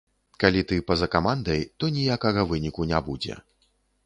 Калі ты па-за камандай, то ніякага выніку не будзе.